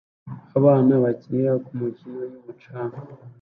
Abana bakinira kumikino yumucanga